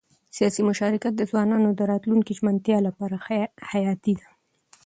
سیاسي مشارکت د ځوانانو د راتلونکي ژمنتیا لپاره حیاتي دی